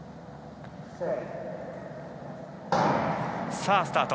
さあ、スタート。